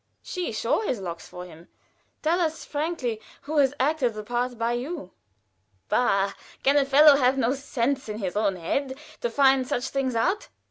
"She shore his locks for him. Tell us frankly who has acted the part by you." "Bah! Can a fellow have no sense in his own head to find such things out?